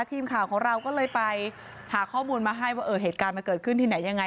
ทีมข่าวของเราก็เลยไปหาข้อมูลมาให้ว่าเออเหตุการณ์มันเกิดขึ้นที่ไหนยังไง